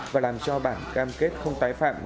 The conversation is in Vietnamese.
và làm cho bản cam kết không tái phạm